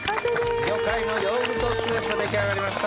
魚介のヨーグルトスープ出来上がりました。